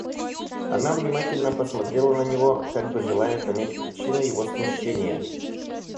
Она внимательно посмотрела на него, как бы желая понять причину его смущения.